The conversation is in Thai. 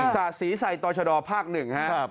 ศาสตร์ศรีใส่ตรชดภาค๑ครับ